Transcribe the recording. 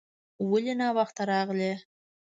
ولې ناوخته راغلې ؟